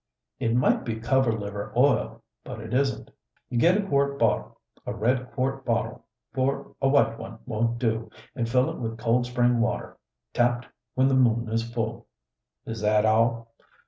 "It might be cover liver oil, but it isn't. You get a quart bottle a red quart bottle, for a white one won't do, and fill it with cold spring water, tapped when the moon is full." "Is that all?"